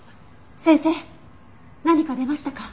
先生何か出ましたか？